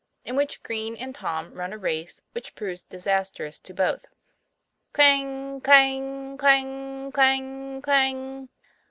IN WHICH GREEN AND TOM RUN A RACE WHICH PROVES DISASTROUS TO BOTH. CLANG clang clang clang clang